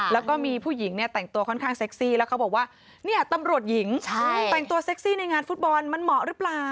แล้วก็มีผู้หญิงเนี่ยแต่งตัวค่อนข้างเซ็กซี่แล้วเขาบอกว่าเนี่ยตำรวจหญิงแต่งตัวเซ็กซี่ในงานฟุตบอลมันเหมาะหรือเปล่า